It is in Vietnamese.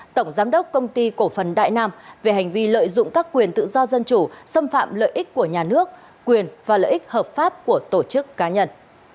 tổng giám đốc công ty cổ phần đại nam về hành vi lợi dụng các quyền tự do dân chủ xâm phạm lợi ích của nhà nước quyền và lợi ích hợp pháp của tổ chức cá nhân